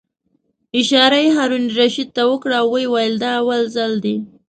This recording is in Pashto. اشاره یې هارون الرشید ته وکړه او ویې ویل: دا اول ځل دی.